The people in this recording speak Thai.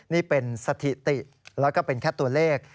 นี่เป็นสถิติแล้วก็เป็นแค่ตัวเลข